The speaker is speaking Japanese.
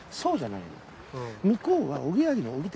うじゃないのよ。